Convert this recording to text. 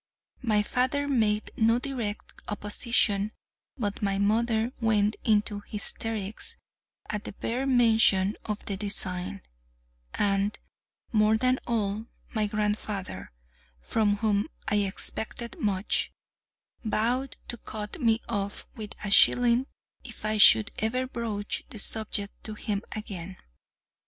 My father made no direct opposition; but my mother went into hysterics at the bare mention of the design; and, more than all, my grandfather, from whom I expected much, vowed to cut me off with a shilling if I should ever broach the subject to him again.